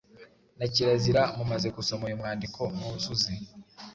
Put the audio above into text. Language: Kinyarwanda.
na kirazira. Mumaze gusoma uyu mwandiko, mwuzuze